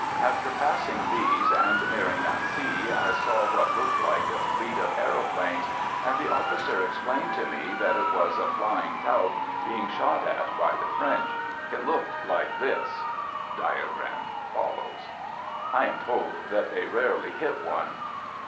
After passing these and nearing Nancy I saw what looked like a fleet of aeroplanes, and the officer explained to me 2 AMERICAN AMBULANCE that it was a flying Taube being shot at by the French. It looked like this: — I am told that they rarely hit one.